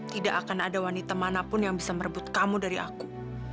tidak akan ada wanita manapun yang bisa merebut kamu dari aku